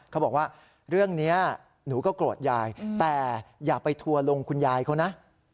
เขาบอกว่าเรื่องนี้หนูก็โกรธยายแต่อย่าไปทัวร์ลงคุณยายเขานะ